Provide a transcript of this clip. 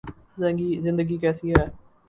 زندگی کیسی ہے